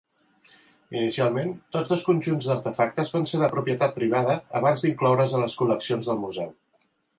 Inicialment, tots dos conjunts d'artefactes van ser de propietat privada abans d'incloure's a les col·leccions del museu.